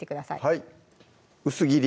はい薄切り？